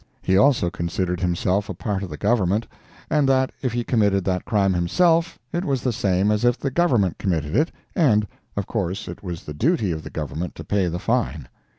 He also considered himself a part of the Government, and that if he committed that crime himself it was the same as if the Government committed it, and, of course, it was the duty of the Government to pay the fine.